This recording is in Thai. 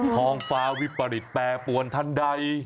ท้องฟ้าวิปริตแปรปวนทันใด